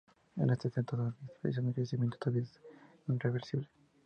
En ese estado, la inhibición del crecimiento todavía es reversible.